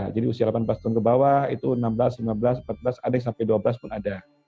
jadi usia delapan belas tahun ke bawah itu enam belas lima belas empat belas ada yang sampai dua belas pun ada